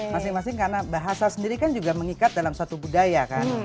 masing masing karena bahasa sendiri kan juga mengikat dalam suatu budaya kan